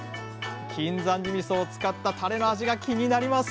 金山寺みそを使ったタレの味が気になります！